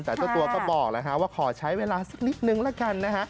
แต่ตัวตัวก็บอกละครว่าขอใช้เวลาสักนิดหนึ่งแล้วกันนะฮะ